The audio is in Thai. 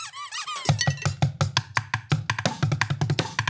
เพื่อสนับสนุนที่สุดท้าย